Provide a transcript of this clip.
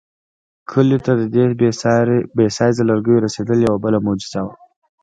کلیو ته د دې بې سایزه لرګیو رسېدل یوه بله معجزه وه.